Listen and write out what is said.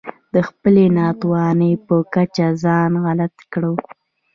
د خپلې ناتوانۍ په کچه ځان غلط کړو.